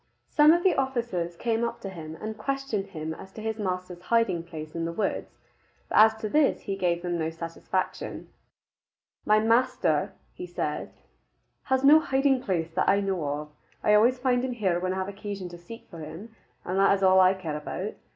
Some of the officers came up to him and questioned him as to his master's hiding place in the woods. But as to this he gave them no satisfaction. "My master," he said, "has no hiding place that I know of. I always find him here when I have occasion to seek for him, and that is all I care about.